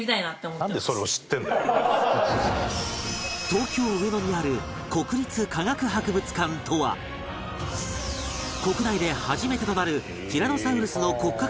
東京上野にある国立科学博物館とは国内で初めてとなるティラノサウルスの骨格